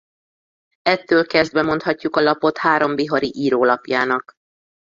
Ettől kezdve mondhatjuk a lapot a három bihari író lapjának.